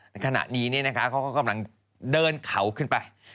ในขณะนี้เขาก็กำลังเดินเขาขึ้นไป